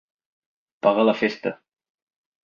Pagar la festa.